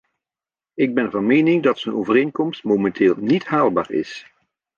Ik ben van mening dat zo'n overeenkomst momenteel niet haalbaar is.